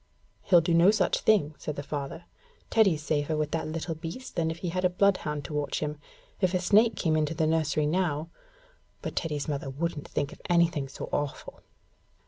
'He'll do no such thing,' said the father. 'Teddy's safer with that little beast than if he had a bloodhound to watch him. If a snake came into the nursery now ' But Teddy's mother wouldn't think of anything so awful.